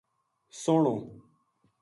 سوہنو